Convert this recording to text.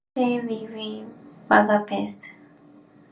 They live in Budapest.